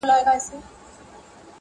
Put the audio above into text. د اکاډمیک او علمي کار د مخنیوي سبب ګرځي